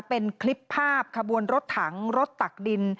เป็นคลิปภาพขบวนรถถังรถตักดิน